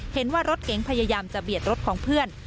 เห็นว่ารถเก๋งพยายามจะเบียดรถของเพื่อน